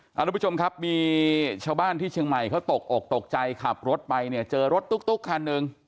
คุณผู้ชมครับมีชาวบ้านที่เชียงใหม่เขาตกอกตกใจขับรถไปเนี่ยเจอรถตุ๊กคันหนึ่ง